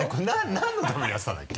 何のためにやってたんだっけ？